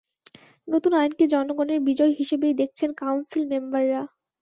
নতুন আইনকে জনগণের বিজয় হিসেবেই দেখছেন কাউন্সিল মেম্বাররা।